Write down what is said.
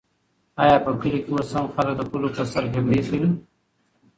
آیا په کلي کې اوس هم خلک د پولو په سر جګړې کوي؟